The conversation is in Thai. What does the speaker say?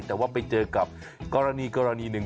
แต่ว่าไปเจอกับกรณีกรณีหนึ่ง